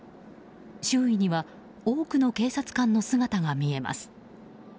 周囲には多くの警察官の姿が見えます。